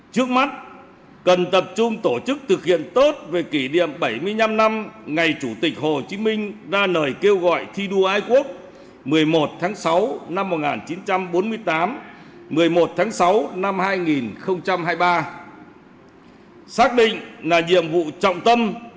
trước mắt cần tập trung tổ chức thực hiện tốt về kỷ niệm bảy mươi năm năm ngày chủ tịch hồ chí minh ra nời kêu gọi thi đua ai quốc một mươi một tháng sáu năm một nghìn chín trăm bốn mươi tám một mươi một tháng sáu năm hai nghìn hai mươi ba